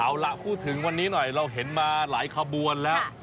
เอาล่ะพูดถึงวันนี้หน่อยเราเห็นมาหลายขบวนแล้ว